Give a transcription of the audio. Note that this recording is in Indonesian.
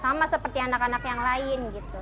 sama seperti anak anak yang lain gitu